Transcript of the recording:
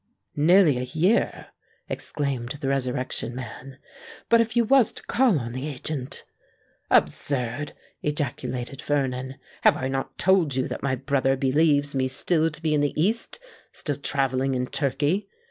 "Nearly a year!" exclaimed the Resurrection Man. "But if you was to call on the agent——" "Absurd!" ejaculated Vernon. "Have I not told you that my brother believes me still to be in the East—still travelling in Turkey?